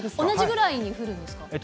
同じぐらい降るんですか？